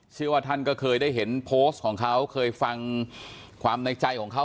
เชื่อว่าท่านก็เคยได้เห็นโพสต์ของเขาเคยฟังความในใจของเขา